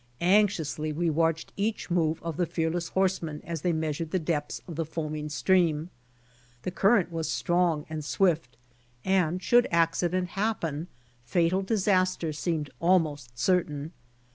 Anxiously we watched each move of the fearless horsemen as they measured the depths of the foaming stream. The current was strong and swift, and should accident happen, fatal disaster seemed almost certain.